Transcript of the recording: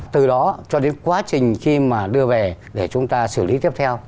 từ đó cho đến quá trình khi mà đưa về để chúng ta xử lý tiếp theo